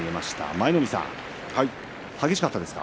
舞の海さん、激しかったですか。